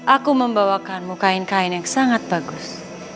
aku membawakanmu kain kain yang sangat bagus